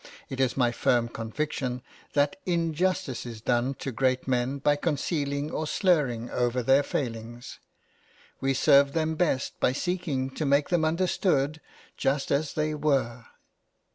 It is my firm conviction that injustice is done to great men by concealing or slurring over their failings; we serve them best by seeking to make them understood just as they were.